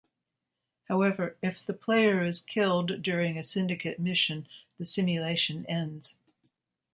However, if the player is killed during a syndicate mission, the simulation ends.